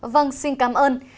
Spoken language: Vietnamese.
vâng xin cảm ơn